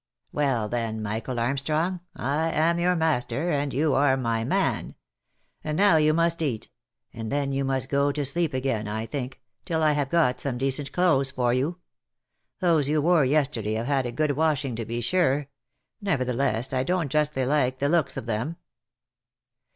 "Well, then, Michael Armstrong, I am your master, and you are my man: And now you must eat, and then you must go to sleep again, I think, till I have got some decent clothes for you. Those you wore yesterday have had a good washing to be sure. Nevertheless, I don't justly like the looks of them."